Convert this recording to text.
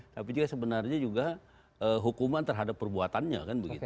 tapi juga sebenarnya juga hukuman terhadap perbuatannya